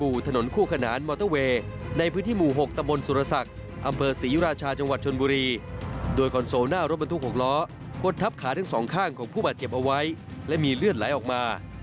อุบัติเจ็บเอาไว้และมีเลือดไหลออกมา